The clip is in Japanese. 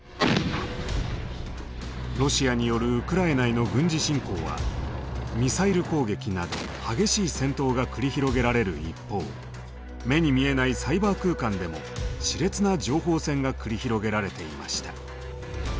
ロシアによるウクライナへの軍事侵攻はミサイル攻撃など激しい戦闘が繰り広げられる一方目に見えないサイバー空間でもしれつな情報戦が繰り広げられていました。